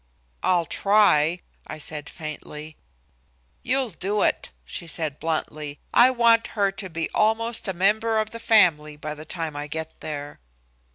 "I'll try," I said faintly. "You'll do it," she returned bluntly. "I want her to be almost a member of the family by the time I get there."